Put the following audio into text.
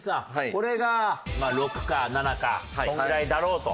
これがまあ６か７かそんぐらいだろうと。